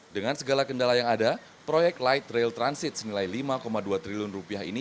dengan segala kendala yang ada proyek light rail transit senilai lima dua triliun rupiah ini